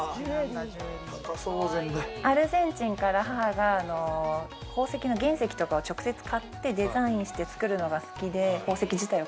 アルゼンチンから母が宝石の原石とかを直接買ってデザインして作るのが好きで。